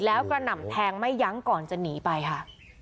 แล้วกระหน่ำแทงไม่ยั้งก่อนจะหนีไปค่ะ